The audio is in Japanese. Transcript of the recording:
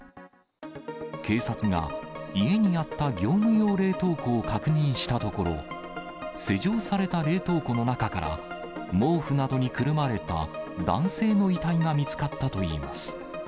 警察が、家にあった業務用冷凍庫を確認したところ、施錠された冷凍庫の中から、毛布などにくるまれた男性の遺体が見つかったといいます。